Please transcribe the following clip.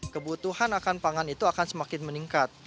kebutuhan akan pangan itu akan semakin meningkat